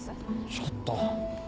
ちょっと。